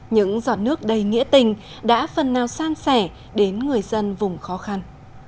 những giọt nước đầy nghĩa tình đã phần nào san sẻ đến người dân vùng khó khăn